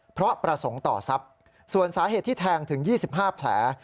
เพราะประสงค์ต่อทรัพย์ส่วนสาเหตุที่แทงถึง๒๕แผล